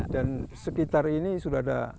dan sekitar ini sudah ada